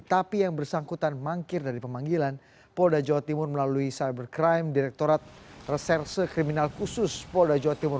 tapi yang bersangkutan mangkir dari pemanggilan polda jawa timur melalui cybercrime direktorat reserse kriminal khusus polda jawa timur